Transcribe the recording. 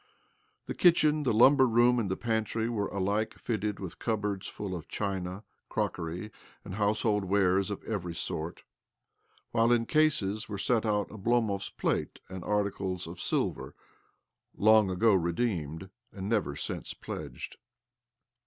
The kitchen, the lumber room, and the pantry were alike fitted with cupboards full of china, crockery, and house hold wares of every sort ; while in cases 272 OBLOMOV were set out Oblomov's plate and articles of silver (long ago redeemed, and never since pledged).